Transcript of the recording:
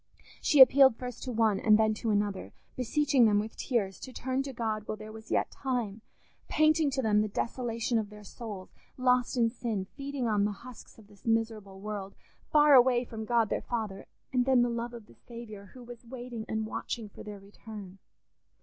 She appealed first to one and then to another, beseeching them with tears to turn to God while there was yet time; painting to them the desolation of their souls, lost in sin, feeding on the husks of this miserable world, far away from God their Father; and then the love of the Saviour, who was waiting and watching for their return.